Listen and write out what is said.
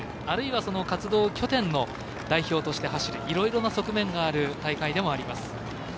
あるいは、活動拠点の代表として走るいろいろな側面がある大会でもあります。